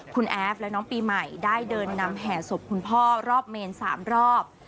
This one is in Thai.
คุณแอฟและน้องปีใหม่ได้เดินนำแห่ศพคุณพ่อรอบเมน๓รอบ